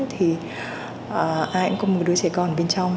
thì ai cũng có một đứa trẻ con ở bên trong